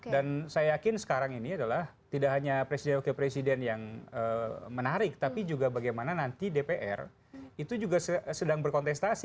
dan saya yakin sekarang ini adalah tidak hanya presiden presiden yang menarik tapi juga bagaimana nanti dpr itu juga sedang berkontestasi